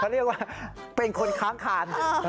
เรียกว่าเป็นคนค้างคาน